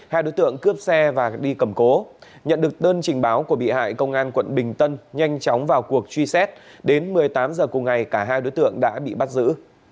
hai đối tượng cướp xe và đi cầm cố nhận được đơn trình báo của bị hại công an quận bình tân nhanh chóng vào cuộc truy xét đến một mươi tám h cùng ngày cả hai đối tượng đã bị bắt giữ